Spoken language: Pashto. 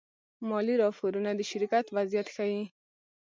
مالي راپورونه د شرکت وضعیت ښيي.